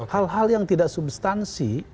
hal hal yang tidak substansi